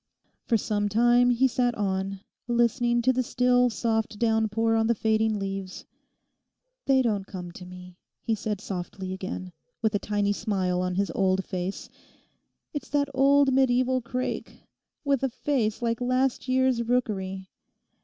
For some time he sat on, listening to the still soft downpour on the fading leaves. 'They don't come to me,' he said softly again; with a tiny smile on his old face. 'It's that old medieval Craik: with a face like a last year's rookery!